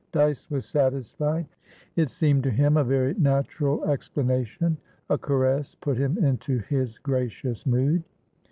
Dyce was satisfied. It seemed to him a very natural explanation; a caress put him into his gracious mood.